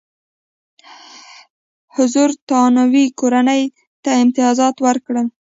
حضرتانو کورنۍ ته امتیازات ورکړل.